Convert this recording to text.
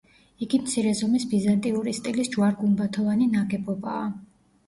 იგი მცირე ზომის ბიზანტიური სტილის ჯვარ-გუმბათოვანი ნაგებობაა.